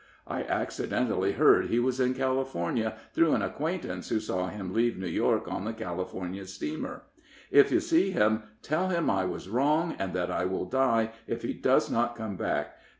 I accidentally heard he was in California, through an acquaintance who saw him leave New York on the California steamer. If you see him, tell him I was wrong, and that I will die if he does not come back.